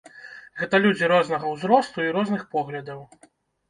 Гэта людзі рознага ўзросту і розных поглядаў.